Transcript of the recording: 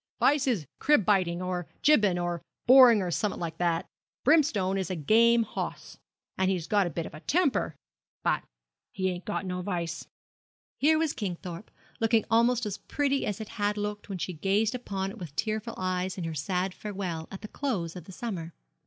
Vice is crib biting, or jibbing, or boring or summat o' that kind. Brimstone is a game hoss, and he's got a bit of a temper, but he ain't got no vice.' Here was Kingthorpe, looking almost as pretty as it had looked when she gazed upon it with tearful eyes in her sad farewell at the close of summer.